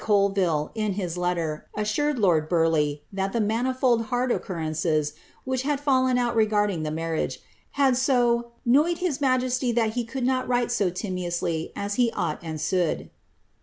Colville, in his lerter, assureil lord BarleJeh ihi the in.iTiifold hard occurrences, which had rallen one regitrding the ow riago. Iiad so " noyed hia majesty thai he could Dot write so limMo^j as h. ought and suld."